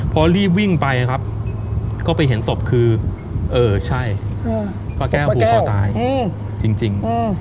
พอรีบวิ่งไปครับก็ไปเห็นศพคือเออใช่ป้าแก้วผูกคอตายจริง